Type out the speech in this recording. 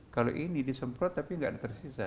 kalau ini disemprot tapi nggak tersisa